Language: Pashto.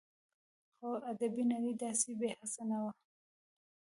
خو ادبي نړۍ داسې بې حسه نه وه